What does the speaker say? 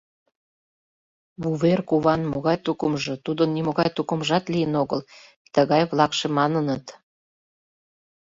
«Вуверкуван могай тукымжо, тудын нимогай тукымжат лийын огыл», — тыгай-влакше маныныт.